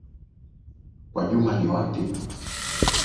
Kwa Juma ni wapi?